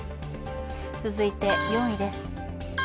続いて４位です。